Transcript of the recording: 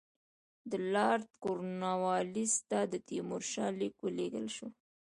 د لارډ کورنوالیس ته د تیمورشاه لیک ولېږل شو.